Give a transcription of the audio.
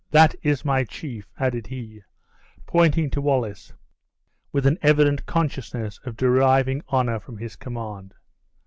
That is my chief!" added he, pointing to Wallace, with an evident consciousness of deriving honor from his command.